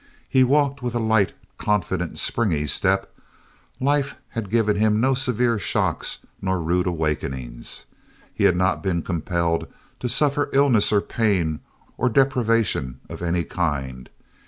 He walked with a light, confident, springy step. Life had given him no severe shocks nor rude awakenings. He had not been compelled to suffer illness or pain or deprivation of any kind.